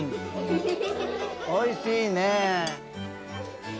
おいしいねぇ。